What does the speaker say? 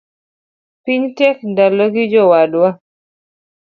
Piny tek ndalogi jowadwa